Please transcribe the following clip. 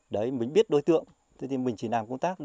đấy mình biết đối tượng thế thì mình chỉ làm công tác nữa